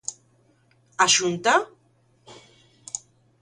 A Xunta?